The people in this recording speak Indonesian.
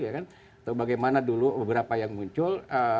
atau bagaimana dulu beberapa yang muncul